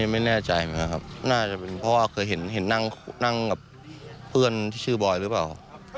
ไม่แน่ใจเหมือนกันครับน่าจะเป็นเพราะว่าเคยเห็นนั่งกับเพื่อนที่ชื่อบอยหรือเปล่า